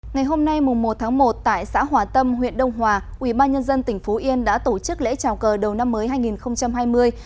ngày hôm nay một tháng một tại xã hòa tâm huyện đông hòa ubnd tỉnh phú yên đã tổ chức lễ chào cờ đầu năm mới hai nghìn hai mươi